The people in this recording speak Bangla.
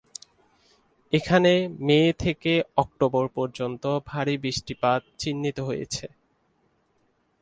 এখানে মে থেকে অক্টোবর পর্যন্ত ভারী বৃষ্টিপাত চিহ্নিত হয়েছে।